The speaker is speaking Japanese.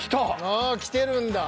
ああきてるんだ。